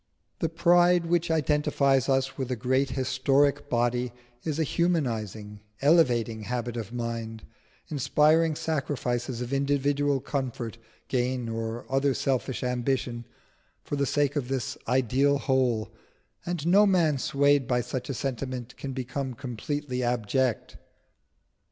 The pride which identifies us with a great historic body is a humanising, elevating habit of mind, inspiring sacrifices of individual comfort, gain, or other selfish ambition, for the sake of that ideal whole; and no man swayed by such a sentiment can become completely abject.